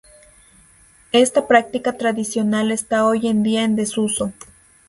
Esta práctica tradicional está hoy en día en desuso.